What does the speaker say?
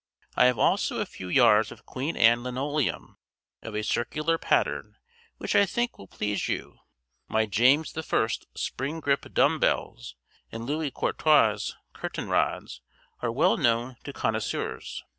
I have also a few yards of Queen Anne linoleum of a circular pattern which I think will please you. My James the First spring grip dumb bells and Louis Quatorze curtain rods are well known to connoisseurs.